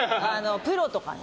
プロとかに。